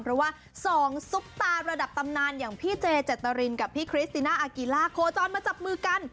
เพราะว่า๒ซุปตาระดับตำนานอย่างพี่เจเจตรินกับพี่คริสติน่าอากิล่าโคจรมาจับมือกัน